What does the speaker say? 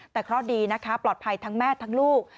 แต่เคราะห์ดีนะคะปลอดภัยทั้งแม่ทั้งลูก